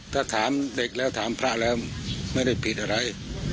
ถ้าถามเด็กแล้วถามพระแล้วไม่ได้ผิดอะไร